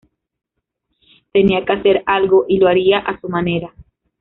Tenía que hacer algo, y lo haría a su manera.